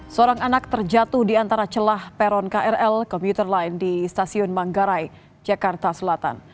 seorang anak terjatuh di antara celah peron krl komuter line di stasiun manggarai jakarta selatan